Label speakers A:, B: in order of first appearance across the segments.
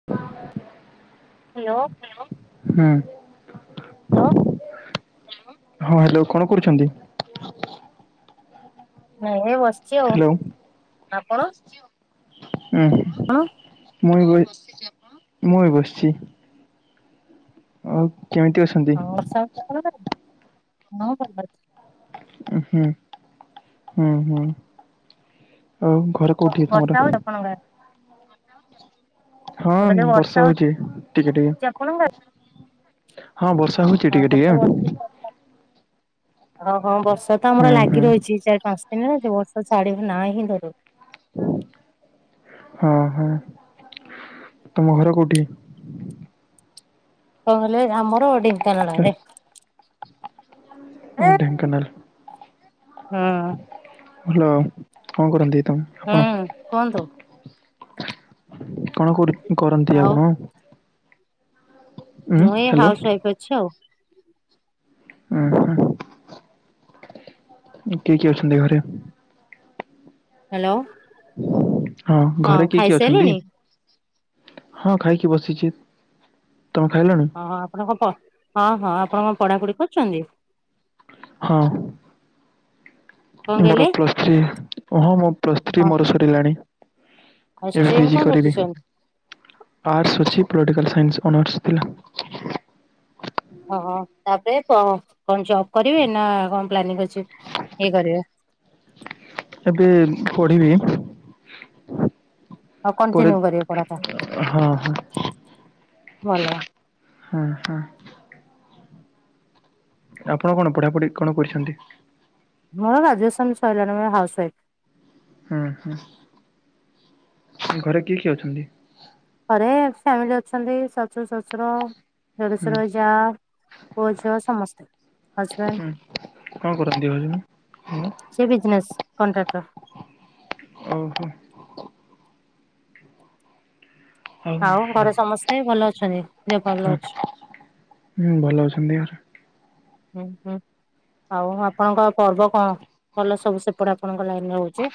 A: [unintelligible]
B: Hello.
A: ହୁଁ। ହଁ hello କଣ କରୁଚନ୍ତି?
B: ନାଇଁ ଏ ବସ
A: ହ୍ୟାଲୋ ହୁଁ।
B: [unintelligible]
A: ମୁଁ ଏଇ ବ ମୁଁ ଏଇ ବସିଚି। ଓଉ କେମିତି ଅସ୍
B: ହଁ, ବର୍ଷା [inaudible] ଆପଣଙ୍କର ହଁ, ଭଲ ଅଛି।
A: ଉହୁଁ, ହୁଁ, ହୁଁ ଆଉ ଘରେ
B: ବର୍ଷା ହଉଛି, ଆପଣଙ୍କ ଆରେ?
A: ହଁ, ବର୍ଷା ହଉଚି ଟିକେ ଟିକେ।
B: ଆପଣଙ୍କ ଆଡେ?
A: ହଁ, ବର୍ଷା ହଉଚି
B: ହଁ
A: ଟିକେ
B: ଆମର
A: ଟିକେଁ।
B: ଓ ହଁ, ବର୍ଷା ତ ଆମର ଲାଗି
A: ହୁଁ।
B: ରହିଛି, ଚାରି ପାଞ୍ଚ ଦିନ ହେଲା ଯେ ବର୍ଷା ଛାଡିବା ନା ହିଁ ଧରୁନି।
A: ହଁ, ହଁ, ତମ ଘର କୋଉଠି?
B: ନ ହେଲେ ଆମର ଢେଙ୍କାନାଳ ରେ।
A: ଓ
B: ହୁଁ
A: ଢେଙ୍କାନାଲ୍। ଭଲ, କଣ କରନ୍ତି, ତମ
B: ହୁଁ,
A: ଆପଣ
B: କୁହନ୍ତୁ।
A: କଣ କରୁ, କରନ୍ତି
B: ଆଉ
A: ଆପଣ? ଉଁ
B: ମୁଁ ଏ
A: ହ୍ୟାଲୋ
B: ହାଉସ୍ ୱାଇଫ୍ ଅଛି ଆଉ।
A: ଉହୁଁ, କିଏ କିଏ ଅଛନ୍ତି ଘରେ?
B: ହ୍ୟାଲୋଁ।
A: ହଁ, ଘରେ କିଏ କିଏ ଅଛନ୍ତି?
B: ଖାଇସାରିଲେଣି?
A: ହଁ, ଖାଇକି ବସିଚି। ତମେ ଖାଇଲଣି?
B: ହଁ, ଆପଣଙ୍କ ପ ହଁ ହଁ ଆପଣଙ୍କ ପଢାପଢି କରଚନ୍ତି?
A: ହଁ।
B: କଣ
A: ମୋର
B: କହିଲେ?
A: ପ୍ଲସ୍ ଥ୍ରୀ ହଁ, ମୋ ପ୍ଲସ୍ ଥ୍ରୀ
B: ହଁ
A: ମୋର ସରିଲାଣି।
B: ଆଉ
A: ଏବେ
B: ଷ୍ଟ୍ରିମ୍
A: ପିଜି
B: କଣ
A: କରିବି।
B: ରଖିଛନ୍ତି?
A: ଆର୍ଟ୍ସ ଅଛି, ପ୍ଳଟିକାଲ ସାଇନ୍ସ ଅନର୍ସ୍ ଥିଲା।
B: ଓହ ତା'ପରେ କ-କଣ ଜବ କରିବେ ନା କଣ ପ୍ଲାନିଂ ଅଛି ଇଏ କରିବେ।
A: ଏବେ ପଢିବି।
B: ଆଉ କଣ୍ଟିନ୍ୟୁ କରିବେ ପଢାଟା,
A: ହଁ ହଁ
B: ଭଲ।
A: ହଁ, ହଁ। ଆପଣ କଣ ପଢାପଢି କଣ କରିଛନ୍ତି?
B: ମୋର ଗ୍ରାଜୁଏସନ୍ ସଇଲାଣି, ମୋର ହାଉସ ୱାଇଫ୍।
A: ହୁଁ, ହୁଁ ଘରେ କିଏ କିଏ ଅଛନ୍ତି?
B: ଘରେ ଫ୍ୟାମିଲି ଅଛନ୍ତି, ଶାଶୁ ଶ୍ୱଶୁର।
A: ହୁଁ
B: ଦେଡୁଶୁର, ଯା, ପୁଅ, ଝିଅ ସମସ୍ତେ ହଜ୍ ବେଣ୍ଡ
A: ହୁଁ କଣ କରନ୍ତି ହଜବେନ୍?
B: ସେ ବିଜନେସ୍ କଣ୍ଟ୍ରାକ୍ଟର।
A: ଓହୋ।
B: ଆଉ, ଘରେ ସମସ୍ତେ ଭଲ ଅଛନ୍ତି? ଦେହ ପା ଭଲ
A: ହଁ,
B: ଅଛି।
A: ହୁଁ ଭଲ ଅଛନ୍ତି।
B: ହୁଁ, ହୁଁ। ଆଉ ଆପଣଙ୍କ ପର୍ବ କଣ, ଭଲ ସବୁ ସେପଟେ ଆପଣଙ୍କ ଲାଇନରେ ରହୁଚି?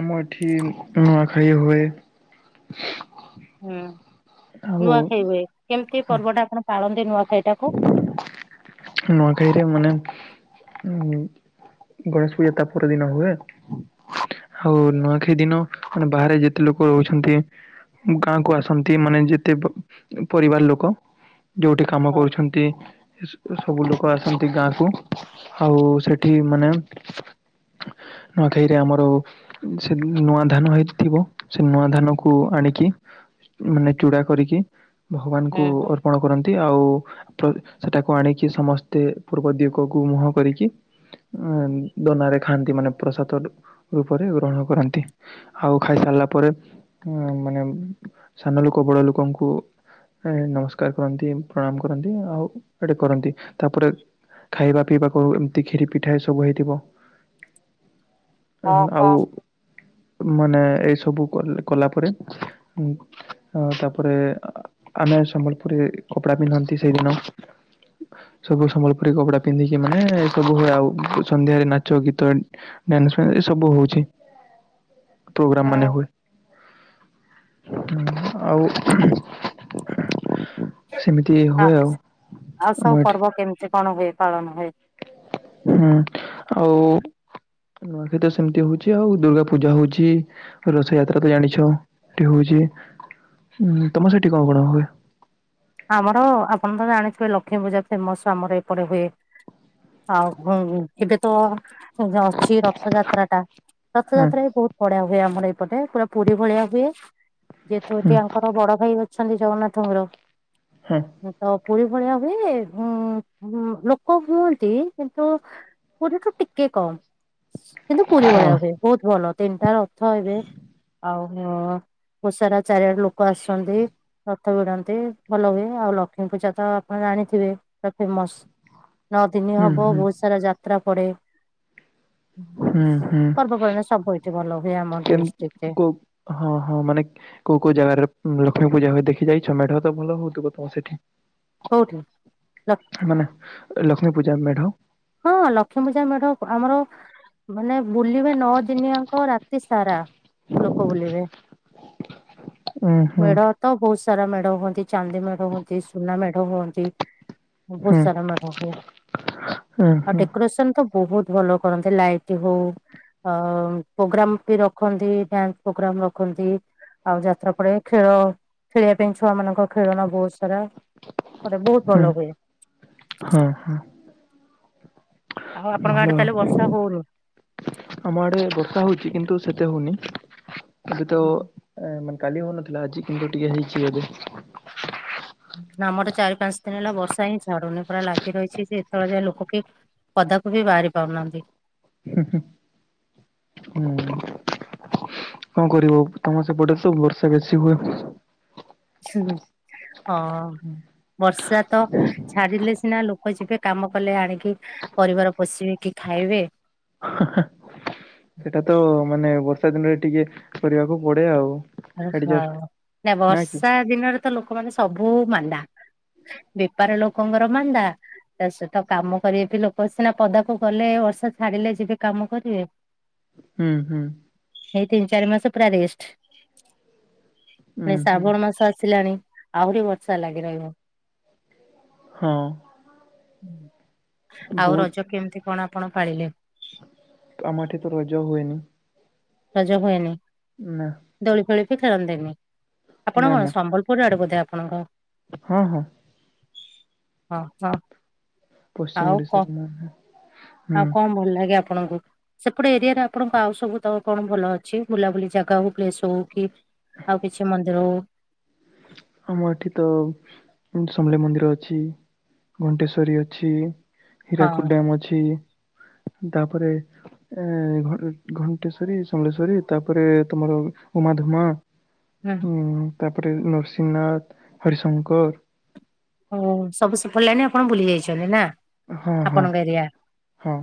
A: ଆମ ଏଠି ନୂଆଖାଇ ହୁଏ।
B: ହୁଁ,
A: ଆଉ
B: ନୂଆଖାଇ ହୁଏ। କେମିତି
A: ହଁ
B: ପର୍ବ ଟା ଆପଣ ପାଳନ୍ତି ନୂଆଖାଇଟାକୁ?
A: ନୂଆଖାଇରେ ମାନେ ଉଁ ଗଣେଶ ପୂଜା ତା ପରଦିନ ହୁଏ। ହଉ ନୂଆଖାଇ ଦିନ ମାନେ, ବାହାରେ ଯେତେ ଲୁକ ରହୁଛନ୍ତି ଗାଁକୁ ଆସନ୍ତି। ମାନେ ଯେତେ ପ-ପରିବାର ଲୁକ, ଯୋଉଠି କାମ
B: ହଁ
A: କରୁଛ ତିଁ ସ-ସବୁ ଲୁକ ଆସନ୍ତି ଗାଁ କୁ। ଆଉ ସେଠି ମାନେ ନୂଆଖାଇରେ ଆମର ସେ ନୂଆ ଧାନ ହେଇଥିବ ସେ ନୂଆ ଧାନ କୁ ଆଣିକି ମାନେ ଚୂଡା କରିକି ଭଗବାନଙ୍କୁ ଅର୍ପଣ କରନ୍ତି, ଆଉ ସେଟାକୁ ଆଣିକି ସମସ୍ତେ ପୂର୍ବ ଦିଗକୁ ମୁହଁ କରିକି ଆଁ ଦନାରେ ଖାଆନ୍ତି ମାନେ ପ୍ରସାଦ ରୂପରେ ଗ୍ରହଣ କରନ୍ତି। ଆଉ ଖାଇସାରିଲା ପରେ ମାନେ ସାନ ଲୋକ ବଡ ଲୋକଙ୍କୁ ଏ ନମସ୍କାର କରନ୍ତି ପ୍ରଣାମ କରନ୍ତି ଆଉ ଏଟେ କରନ୍ତି ତାପରେ ଖାଇବା ପିଇବାକୁ ଏମିତି କ୍ଷୀରି ପିଠା ଏ ସବୁ ହେଇଥିବ।
B: [inaudible]
A: ଅ ଆଉ
B: ହଁ
A: ମାନେ ଏଇ ସବୁ କଲା ପରେ ଉଁ ଅ ତାପରେ ଆମେ ସମ୍ବଲପୁରୀ କପଡା ପିନ୍ଧନ୍ତି ସେଇଦିନ। ସବୁ ସମ୍ବଲପୁରୀ କପଡା ପିନ୍ଧିକି ମାନେ ଏ ସବୁ ହୁଏ ଆଉ ସନ୍ଧ୍ୟାରେ ନାଚ ଗୀତ ଡନ୍ସ [unintelligible] ଏ ସବୁ ହଉଛି। ପ୍ରୋଗ୍ରାମ ମାନେ
B: ହଁ।
A: ହୁଏ ଆଉ ସେମିତି
B: ଆ
A: ହୁଏ
B: ଆଉ
A: ଆମ
B: ସବୁ
A: ଏଠି
B: ପର୍ବ କେମିତି କଣ ହୁଏ ପାଳନ ହୁଏ?
A: ହୁଁ ଆଉ ନୂଆ ନୂଆଁଖାଇ ସେମିତି ହଉଛି ଆଉ ଦୁର୍ଗା ପୂଜା ହଉଛି। ରଥଯାତ୍ରା ତ ଜାଣିଛ ଏଠି ହଉଛି, ଉ ତମ ସେଠି କଣ କଣ ହୁଏ?
B: ଆମର ଆପଣ ତ ଜାଣିଥିବେ ଲକ୍ଷ୍ମୀ ପୂଜା ଫେମସ ଆମର ଏପଟେ ହୁଏ। ଆଉ ହଁ ଏବେ ତ ଅଛି ରଥଯାତ୍ରା ଟା।
A: ହୁଁ
B: ରଥଯାତ୍ରା ବି ବହୁତ ବଢିଆ ହୁଏ ଆମର ଏଇପଟେ ପୁରା ପୁରୀ ଭଳିଆ ହୁଏ। ଯେହେତୁ
A: ହୁଁ
B: ଏଠି ଆଙ୍କର ବଡ ଭାଇ ଅଛନ୍ତି ଜଗନ୍ନାଥଙ୍କର।
A: ହଁ।
B: ତ ପୁରୀ ଭଳିଆ ହୁଏ, ଉଁ ଲୋକ ହୁଅନ୍ତି କିନ୍ତୁ ପୁରୀ ଠୁ ଟିକେ କମ୍। କିନ୍ତୁ ପୁରୀ
A: ହଁ
B: ଭଳିଆ ହୁଏ ବହୁତ ଭଲ ତିନିଟା ରଥ ଏବେ ଆଉ ଓ ଓ ସାରା ଚାରିଆଣ ଲୋକ ଆସଛନ୍ତି, ରଥ ବିଡାନ୍ତି। ଭଲ ହୁଏ ଆଉ ଲକ୍ଷ୍ମୀ ପୂଜା ତ ଆପଣ ଜାଣିଥିବେ ପୁରା ଫେମସ। ନଅ ଦିନ
A: ହୁଁ
B: ହବ
A: ହୁଁ
B: ବହୁତ ସାରା ଯାତ୍ରା ପଡେ।
A: ହୁଁ ହୁଁ
B: ପର୍ବପର୍ବାଣା ସବୁଠି ଭଲ ହୁଏ ଆମ
A: କେମ-
B: ଡିଷ୍ଟ୍ରିକ ରେ।
A: କୋଉ ହଁ ହଁ ମାନେ କୋଉ କୋଉ ଜାଗାରେ ଲକ୍ଷ୍ମୀ ପୂଜା ହୁ ଦେଖି ଯାଇଛ? ମେଢ ତ ଭଲ ହଉଥିବ ତମ ସେଠି।
B: ହଉଠି ରଖ
A: ମାନେ ଲକ୍ଷ୍ମୀ ପୂଜା ମେଢଉ
B: ହଁ ଲକ୍ଷ୍ମୀ ପୂଜା ମେଢ ଆମର ମାନେ ବୁଲିବେ ନଅ ଦିନିଆଙ୍କ ରାତି ସାରା। ଲୋକ ବୁଲିବେ,
A: ଉଁ ହୁଁ
B: ମେଡ ତ ବହୁତ ସାରା ମେଢ ହୁଅନ୍ତି, ଚାନ୍ଦି ମେଢ ହୁଅନ୍ତି ସୁନା ମେଢ଼ ହୁଅନ୍ତି। ବହୁତ
A: ହୁଁ
B: ସାରା ମେଢ଼ ହୁଏ।
A: [inaudible]
B: ଆଉ ଡେକୋରେସନ ତ ବହୁତ ଭଲ କରନ୍ତି, ଲାଇଟ ହଉ ଅ ପ୍ରୋଗ୍ରାମ ବି ରଖନ୍ତି ଡ୍ୟାନ୍ସ ପ୍ରୋଗ୍ରାମ ରଖନ୍ତି। ଆଉ ଯାତ୍ରା ପଡେ ଖେଳ ଖେଳିବା ପାଇଁ ଛୁଆ ମାନଙ୍କ ଖେଳନ ବହୁତ ସାରା। ମଟ ବହୁତ
A: ହୁଁ
B: ଭଲ ହୁଏ।
A: ହଁ ହଁ।
B: ଆଉ ଆପଣଙ୍କ
A: ଭଲ
B: ଆଡେ ତାହେଲେ ବର୍ଷା ହଉନି?
A: ଆମ ଆଡେ ବର୍ଷା ହଉଛି କିନ୍ତୁ ସେତେ ହଉନି ଏବେ ତ ଏ ମାନେ କାଲି ହଉନଥିଲା ଆଜି କିନ୍ତୁ ଟିକେ ହେଇଛି ଏବେ।
B: ଆମର ତ ଚାରି ପାଞ୍ଚ ଦିନ ହେଲା ବର୍ଷା ହିଁ ଛାଡୁନି। ପୁରା ଲାଗିରହିଛି ଯେ ଏତେବେଳେ ଯାଏ ଲୋକ କି ପଦାକୁ ବି ବାହାରି ପାରୁନାହାନ୍ତି।
A: ହୁଁ। କଣ କରିବ ତମ ସେପଟେ ସବୁ ବର୍ଷା ବେଶୀ ହୁଏ?
B: ଉଁ ହଁ ବର୍ଷା ତ ଛାଡିଲେ ସିନା ଲୋକ ଯିବେ କାମ କଲେ ଆଣିକି ପରିବାର ପୋଷିବେ କି ଖାଇବେ।
A: ସେଇଟା ତ ମାନେ ବର୍ଷା ଦିନରେ ଟିକେ କରିବାକୁ ପଡେ ଆଉ।
B: ଓଁ
A: ଆଡଜଷ୍ଟ
B: ହଁ
A: ନା କି
B: ବର୍ଷା ଦିନରେ ତ ଲୋକମାନେ ସବୁ ମାନ୍ଦା। ବେପାର ଲୋକଙ୍କର ମାନ୍ଦା। ତା ସ ତ କାମ କରିବେ ବି ଲୋକ ସିନା ପଦାକୁ ଗଲେ ବର୍ଷା ଛାଡିଲେ ଯିବେ କାମ କରିବେ।
A: ହୁଁ ହୁଁ।
B: ଏଇ ତିନି ଚାରି ମାସ ପୁରା ରେଷ୍ଟ। ପୁଣି
A: ହୁଁ ହୁଁ
B: ଶ୍ରାବଣ ମାସ ଆସିଲାଣି ଆହୁରି ବର୍ଷା ଲାଗି ରହିବ।
A: ହଁ।
B: ଆଉ
A: ବହୁତ
B: ରଜ କେମିତି କଣ ଆପଣ ପାଳିଲେ?
A: ଆମ ଏଠି ତ ରଜ ହୁଏନି।
B: ରଜ ହୁଏନି?
A: ନା।
B: ଦୋଳି ଫୋଳି ପି ଖେଳନ୍ତିନି ଆପଣ
A: ନା
B: କଣ
A: ନା
B: ସମ୍ବଲପୁରୁ ଆଡୁ ବୋଧେ ଆପଣଙ୍କ?
A: ହଁ ହଁ।
B: ହଁ ହଁ।
A: ପଶ୍ଚିମ
B: ଆଉ କ
A: ଓଡ଼ିଶା ରୁ ମୁଁ। ହୁଁ
B: ଆଉ କଣ ଭଲ ଲାଗେ ଆପଣଙ୍କୁ? ସେପଟେ ଏରିଆରେ ଆପଣଙ୍କ ଆଉ ସବୁ ତ କଣ ଭଲ ଅଛି ବୁଲାବୁଲି ଜାଗା ହଉ ପ୍ଲେସ ହଉ କି? ଆଉ କିଛି ମନ୍ଦିର ହୋଉ?
A: ଆମ ଏଠି ତ ସମଲେଇ ମନ୍ଦିର ଅଛି ଘଣ୍ଟେଶ୍ଵରୀ ଅଛି।
B: ହଁ
A: ହୀରାକୁଦ ଡ୍ୟାମ ଅଛି ତାପରେ ଏ ଘ ଘଣ୍ଟେଶ୍ଵରୀ ସମଲେଶ୍ୱରି ତାପରେ ତମର ଉମାଧୁମା।
B: ହୁଁ
A: ଉଁ ତାପରେ ନରସିଂହନାଥ ହରିଶଙ୍କର
B: ଓ ସବୁ ସେପଟ ଲାଇନ ଆପଣ ବୁଲି ଯାଇଛନ୍ତି ନା?
A: ହଁ ହଁ।
B: ଆପଣଙ୍କ ଏରିଆ
A: ହଁ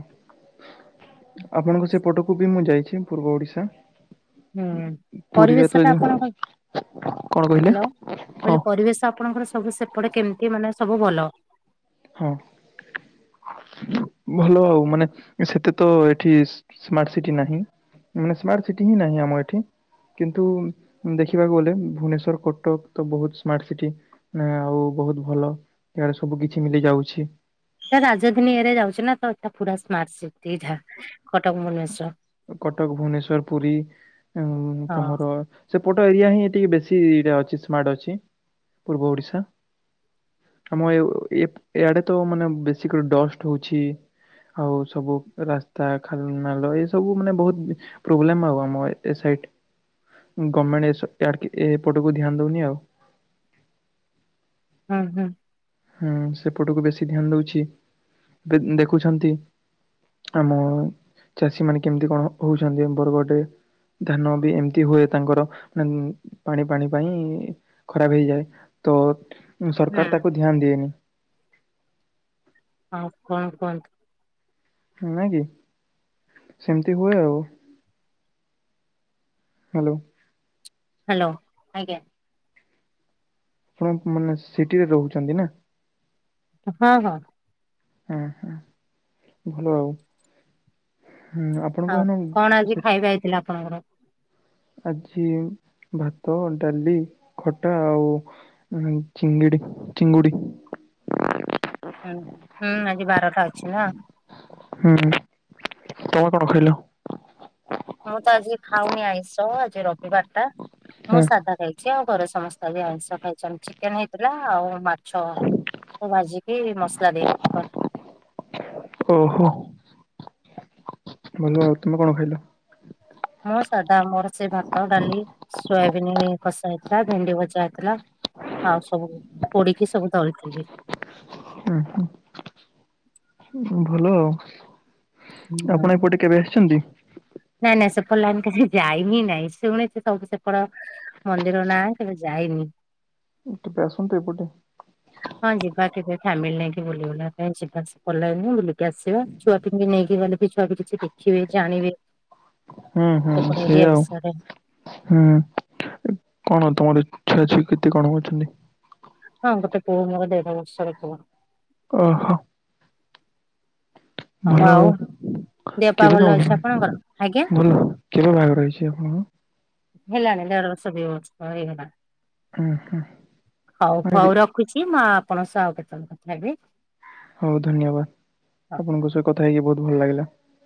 A: ଆପଣଙ୍କ ସେପଟକୁ ବି ମୁଁ ଯାଇଛି ପୂର୍ବ ଓଡିଶା।
B: ହୁଁ
A: ପୁରୀରେ ତ
B: ପରିବେଶ ଟା
A: ଯୋଉ-
B: ଆପଣଙ୍କ
A: କଣ କହିଲେ
B: ହ୍ୟାଲୋ।
A: ହଁ
B: କହିଲି ପରିବେଶ ଆପଣଙ୍କର ସବୁ ସେପଟେ କେମିତି ମାନେ ସବୁ ଭଲ।
A: ହଁ। ଭଲ ଆଉ ମାନେ ସେତେ ତ ଏଠି ସ୍ମାର୍ଟ ସିଟି ନାହିଁ। ମାନେ ସ୍ମାର୍ଟ ସିଟି ହିଁ ନାହିଁ ଆମ ଏଠି। କିନ୍ତୁ ଦେଖିବାକୁ ଗଲେ ଭୁବନେଶ୍ୱର କଟକ ତ ବହୁତ ସ୍ମାର୍ଟ ସିଟି। ନା ଆଉ ବହୁତ ଭଲଏଆଡେ ସବୁ କିଛି ମିଲି ଯାଉଛି।
B: ଏ ରାଜଧାନୀ ଏରିୟା ରେ ଯାଉଛି ନା ତ ପୁରା ସ୍ମାର୍ଟ ସିଟି ଟା କଟକ ଭୁବନେଶ୍ଵର।
A: କଟକ ଭୁବନେଶ୍ଵର ପୁରୀ ଆଉ
B: ହଁ
A: ତମର ସେପଟ ଏରିଆ ହିଁ ଟିକେ ବେଶୀ ରେ ଅଛି ସ୍ମାର୍ଟ ଅଛି ପୂର୍ବ ଓଡ଼ିଶା।
B: ହୁଁ
A: ଆମ ଏଓ ଏପ୍ ଏଆଡେ ତ ମାନେ ବେଶି କରି ଦଷ୍ଟ ହୋଉଚି। ଆଉ ସବୁ ରାସ୍ତା ଖାଲ ନାଲ ଏ ସବୁ ସବୁ ମାନେ ବହୁତ ପ୍ରୋବ୍ଲେମ ଆଉ ଆମ ଏ ସାଇଟ। ଗମେଣ୍ଟ ଏସବ ଏଡକେ ଏପଟକୁ ଧ୍ୟାନ ଦଉନି ଆଉ।
B: ହୁଁ ହୁଁ।
A: ହୁଁ ସେପଟକୁ ବେଶୀ ଧ୍ୟାନ ଦଉଚି ବେ ଦେଖୁଛନ୍ତି। ଆମ ଚାଷୀ ମାନେ କେମିତି କଣ ହଉଚନ୍ତି ବରଗଡ ରେ। ଧାନ ବି ଏମିତି ହୁଏ ତାଙ୍କର ମେମ ପାଣି ପାଣି ପାଇଁ ଖରାପ ହେଇଯାଏ ତ ସରକାର ତାକୁ ଧ୍ୟାନ ଦିଏନି।
B: ଆଉ କଣ କୁହନ୍ତୁ?
A: ନୁହେଁକି? ସେମିତି ହୁଏ ଆଉ। ହାଲୋ।
B: ହ୍ୟାଲୋ ଆଜ୍ଞା।
A: ଆପଣ ମାନେ ସିଟିରେ ରହୁଚନ୍ତି ନା?
B: ହଁ ହଁ।
A: ଉହଁ ଭଲ ଆଉ। ହୁଁ ଆ
B: ଆଉ କଣ ଆଜି ଖାଇବା ହେଇଥିଲା ଆପଣଙ୍କର?
A: ଆଜି ଭାତ ଡାଲି ଖଟା ଆଉ ଉମ ଚିଙ୍ଗିଡ଼ି ଚିଙ୍ଗୁଡି।
B: ହୁଁ ହୁଁ ଆଜି ବାରଟା ଅଛି ନା।
A: ହୁଁ। ତମ କଣ ଖାଇଲ?
B: ମୁଁ ତ ଆଜି ଖାଉନି ଆଇଁଷ ଆଜି ରବିବାର ଟା। ମୁଁ
A: ହୁଁ
B: ସାଧା ଖାଇ ଚି ଆଉ ଘରେ ସମସ୍ତେ ଆଜି ଆଇଁଷ ଖାଇଛନ୍ତି। ଚିକେନ ହେଇଥିଲା ଆଉ ମାଛ ଭାଜିକି ମସଲା ଦେଇ କର
A: ଓହୋ। ଭଲ ଆଉ। ତୁମେ କଣ ଖାଇଲ?
B: ମୁଁ ସାଧା ମୋର ସେ ଭାତ ଡାଲି ସୋୟାବିିନ କଷା ହେଇଥିଲା ଭେଣ୍ଡି ଭଜା ହେଇଥିଲା। ଆଉ ସବୁ ପୋଡିକି ସବୁ ଦଳିଥିଲି।
A: ଉଁ ହୁଁ। ହୁଁ ଭଲ ଆଉ ଆପଣ ଏପଟେ କେବେ ଆସିଚନ୍ତି।
B: ନାଇଁ ନାଇଁ ସେପଟ ଲାଇନ [unintelligible] ଯାଇ ହିଁ ନାଇଁ ଶୁଣିଚି ସବୁ ତମ ସେପଟ ମନ୍ଦିର ନାଁ କେବେ ଯାଇନି।
A: କେବେ ଆସନ୍ତୁ ଏପଟେ?
B: ହଁ ଯିବା କେବେ ଫ୍ୟାମିଲି ନେଇକି ବୁଲି ବୁଲା ପାଇଁ ଯିବା ସେପଟ ଲାଇନ୍ କୁ ବୁଲିକି ଆସିବା। ଛୁଆ ଙ୍କୁ ନେଇକି ଗଲେ ବି ଛୁଆ ବି କିଛି ଦେଖିବେ ଜାଣିବେ।
A: ହୁଁ ହୁଁ
B: ସେପଟ ଏରିଆ
A: ସେଇଆ ଆଉ।
B: ବିଷୟରେ
A: ହୁଁ କଣ ତମର ଇ ଛୁଆ ଛୁଇ କେତେ କଣ ଅଛନ୍ତି?
B: ହଁ ଗୋଟେ ପୁଅ ମୋର ଦେଢ ବର୍ଷର ପୁଅ।
A: ଓ ହୋ।
B: ଅ ହ ଆଉ ଦେହ ପା
A: କେବେ
B: ଭଲ
A: ତମର
B: ଅଛି
A: ବାହା-
B: ଆପଣଙ୍କର? ଆଜ୍ଞା।
A: ଭଲ କେବେ ବାହାଘର ହେଇଚି ଆପଣଙ୍କର?
B: ହେଲାଣି ଦେଢ଼ ବର୍ଷ ଦି ବର୍ଷ ହେଇଗଲାଣି। ହଉ
A: ହୁଁ ଆରେ
B: ହଉ ର ରଖୁଚି। ମୁଁ ଆପଣଙ୍କ ସହ ଆଉ କେତେବେଳେ କଥା ହେବି।
A: ହଉ ଧନ୍ୟବାଦ।
B: ହଉ।
A: ଆପଣଙ୍କ ସହ କଥା ହେଇକି ବହୁତ ଭଲ ଲାଗିଲା।